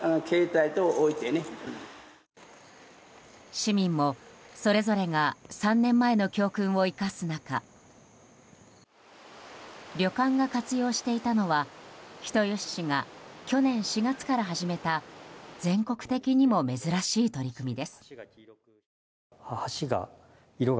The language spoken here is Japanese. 市民もそれぞれが３年前の教訓を生かす中旅館が活用していたのは人吉市が去年４月から始めた全国的にも珍しい取り組みです。